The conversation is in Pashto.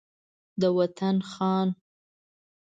د وطن خان